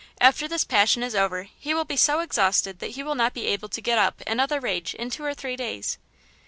After this passion is over he will be so exhausted that he will not be able to get up another rage in two or three days."